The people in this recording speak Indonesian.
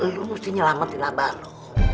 lu mesti nyelamatin abah lu